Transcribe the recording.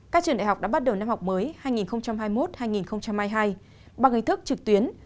các trường đại học đã bắt đầu năm học mới hai nghìn hai mươi một hai nghìn hai mươi hai bằng hình thức trực tuyến